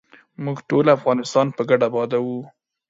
موږ ټول به افغانستان په ګډه ودانوو.